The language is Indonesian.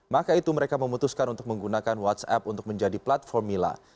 maka itu mereka memutuskan untuk menggunakan whatsapp untuk menjadi platform mila